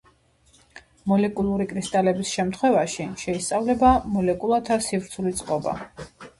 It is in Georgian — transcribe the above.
მოლეკულური კრისტალების შემთხვევაში შეისწავლება მოლეკულათა სივრცული წყობა.